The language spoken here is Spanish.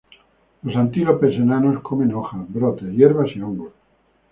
Los antílopes enanos comen hojas, brotes, hierbas y hongos.